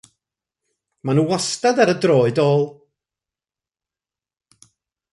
Mae nhw wastad ar y droed ôl.